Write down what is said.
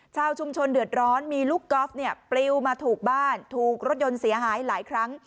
ชาวชุมชนเดือดร้อนมีลูกกอล์ฟเนี่ยปลิวมาถูกบ้านถูกรถยนต์เสียหายหลายครั้ง